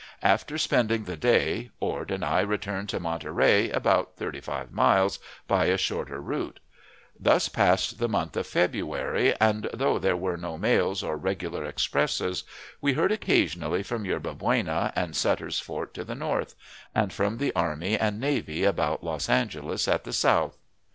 After spending the day, Ord and I returned to Monterey, about thirty five miles, by a shorter route, Thus passed the month of February, and, though there were no mails or regular expresses, we heard occasionally from Yerba Buena and Sutter's Fort to the north, and from the army and navy about Los Angeles at the south.